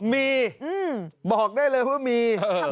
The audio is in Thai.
มีบอกได้เลยว่ามี